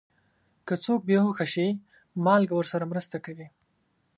که څوک بې هوښه شي، مالګه ورسره مرسته کوي.